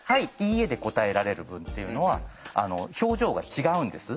「いいえ」で答えられる文っていうのは表情が違うんです。